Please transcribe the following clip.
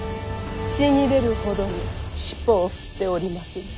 ちぎれるほどに尻尾を振っておりまする。